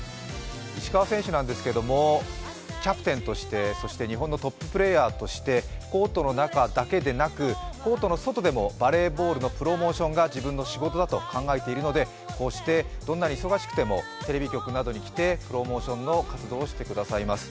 石川選手なんですけれども、キャプテンとしてそして日本のトッププレーヤーとしてコートの中だけでなく、コートの外でもバレーボールのプロモーションが自分の仕事だと考えているので、こうしてどんなに忙しくてもテレビ局などに来て、プロモーションの活動をしてくださいます。